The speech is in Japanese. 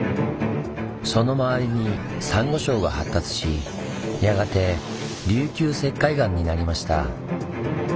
その周りにサンゴ礁が発達しやがて琉球石灰岩になりました。